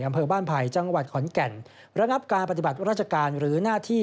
อำเภอบ้านไผ่จังหวัดขอนแก่นระงับการปฏิบัติราชการหรือหน้าที่